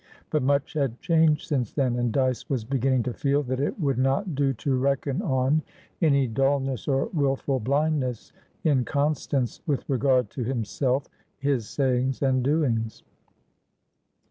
But much had changed since then, and Dyce was beginning to feel that it would not do to reckon on any dulness, or wilful blindness, in Constance with regard to himself, his sayings and doings.